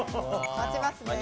待ちますね。